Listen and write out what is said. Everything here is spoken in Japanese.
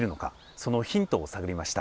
そのヒントを探りました。